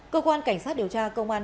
cơ quan cảnh sát điều tra công an